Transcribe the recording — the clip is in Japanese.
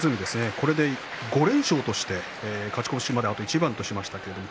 これで５連勝として勝ち越しまであと一番としました。